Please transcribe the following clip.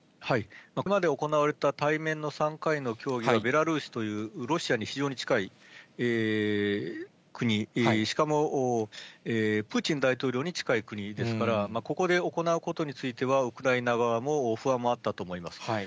これまで行われた対面の３回の協議はベラルーシというロシアに非常に近い国、しかも、プーチン大統領に近い国ですから、ここで行うことについては、ウクライナ側も不安もあったと思います。